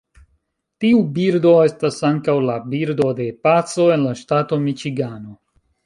Tiu birdo estas ankaŭ la birdo de paco en la ŝtato Miĉigano.